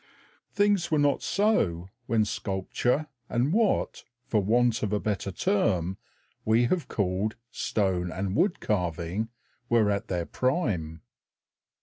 Things were not so when sculpture and what, for want of a better term, we have called "stone and wood carving" were at their prime.